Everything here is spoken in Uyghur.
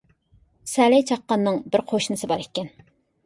سەلەي چاققاننىڭ بىر قوشنىسى بار ئىكەن.